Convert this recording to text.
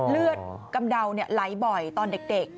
เลือดกำเดาไหลบ่อยตอนเด็ก